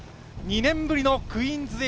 ２年ぶりのクイーン８へ。